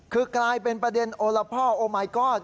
คือกลายเป็นประเด็นโอละพ่อโอมายกอร์